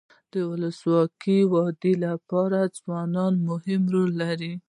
د ولسواکۍ د ودي لپاره ځوانان مهم رول لري.